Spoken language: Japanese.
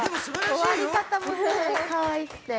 終わり方もねかわいくて。